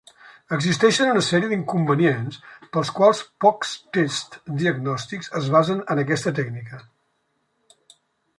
Existeixen una sèrie d'inconvenients pels quals pocs tests diagnòstics es basen en aquesta tècnica.